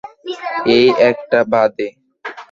এই একটা বাদে।